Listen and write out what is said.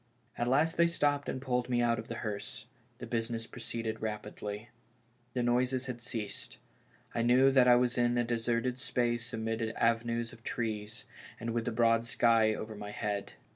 At last they stopped and pulled me out of the hearse — the business proceeded rapidly. The noises had ceased ; I knew that I was in a deserted space amid avenues of trees, and with tlie broad sky over my head.